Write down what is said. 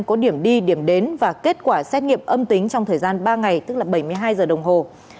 có điểm đi điểm đến và kết quả xét nghiệm âm tính trong thời gian ba ngày tức là bảy mươi hai giờ đồng hồ